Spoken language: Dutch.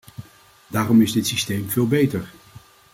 Daarom is dit systeem veel beter.